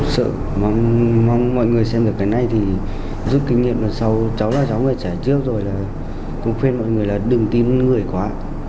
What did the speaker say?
sợ mong mọi người xem được cái này thì giúp kinh nghiệm là sau cháu là cháu phải trả trước rồi là cũng khuyên mọi người là đừng tin đến người quá